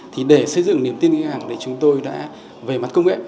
thì để xây dựng niềm tin khách hàng thì chúng tôi đã về mặt công nghệ